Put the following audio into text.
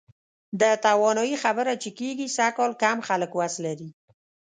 د توانایي خبره چې کېږي، سږکال کم خلک وس لري.